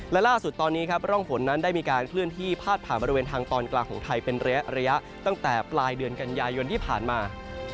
และล่าสุดตอนนี้ครับร่องฝนนั้นได้มีการเคลื่อนที่พาดผ่านบริเวณทางตอนกลางของไทยเป็นระยะตั้งแต่ปลายเดือนกันยายนที่ผ่านมา